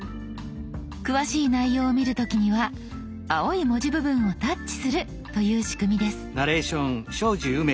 詳しい内容を見る時には青い文字部分をタッチするという仕組みです。